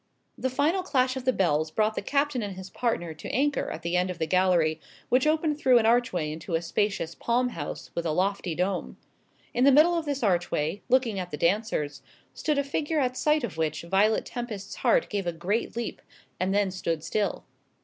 That final clash of the bells brought the Captain and his partner to anchor at the end of the gallery, which opened through an archway into a spacious palm house with a lofty dome. In the middle of this archway, looking at the dancers, stood a figure at sight of which Violet Tempest's heart gave a great leap, and then stood still.